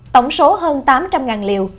tổng số hơn tám trăm linh liều